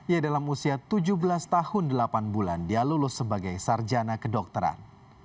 ya dalam usia tujuh belas tahun delapan bulan dia lulus sebagai sarjana kedokteran